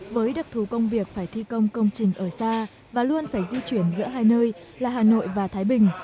với đặc thù công việc phải thi công công trình ở xa và luôn phải di chuyển giữa hai nơi là hà nội và thái bình